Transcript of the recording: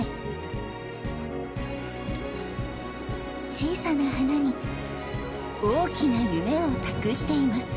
小さな花に大きな夢を託しています。